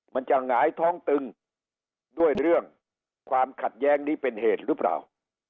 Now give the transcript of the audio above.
มันจะหงายท้องตึงด้วยเรื่องความขัดแย้งนี้เป็นเหตุรึบราว